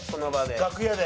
楽屋で？